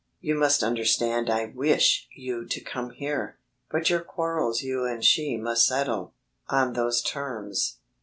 "You must understand I wish you to come here. But your quarrels you and she must settle. On those terms...."